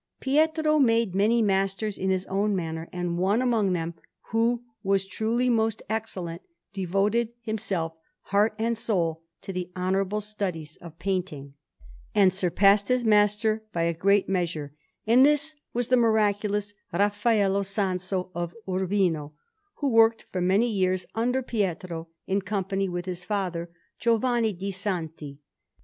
Pietro made many masters in his own manner, and one among them, who was truly most excellent, devoted himself heart and soul to the honourable studies of painting, and surpassed his master by a great measure; and this was the miraculous Raffaello Sanzio of Urbino, who worked for many years under Pietro in company with his father, Giovanni de' Santi.